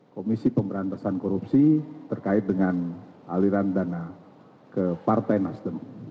komisi pemberantasan korupsi terkait dengan aliran dana ke partai nasdem